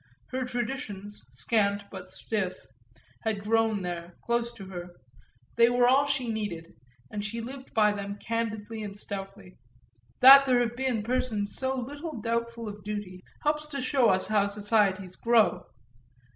Her traditions, scant but stiff, had grown there, close to her they were all she needed, and she lived by them candidly and stoutly. That there have been persons so little doubtful of duty helps to show us how societies grow.